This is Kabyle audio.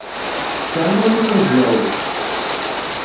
Tesɛam amiḍan deg Yahoo?